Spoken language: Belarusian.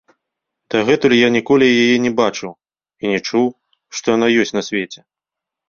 Дагэтуль я ніколі яе не бачыў і не чуў, што яна ёсць на свеце.